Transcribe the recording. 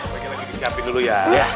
lagi lagi disiapin dulu ya